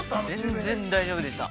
◆全然大丈夫でした。